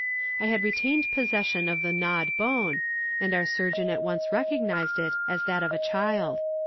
I had retained possession of the gnawed bone, and our surgeon at once recognized it as that of a child.